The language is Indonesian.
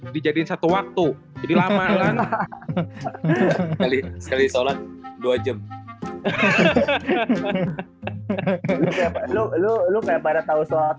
dijadikan satu waktu jadi lama sekali sekali sholat dua jam lu lu lu kayak pada tahu sholat